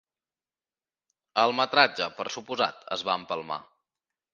El metratge, per suposat, es va empalmar.